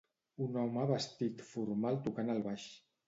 Un home vestit formal tocant el baix.